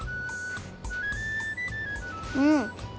うん。